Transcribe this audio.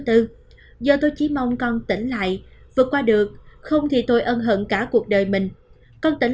do tôi chỉ mong con tỉnh lại vượt qua được không thì tôi ân hận cả cuộc đời mình con tỉnh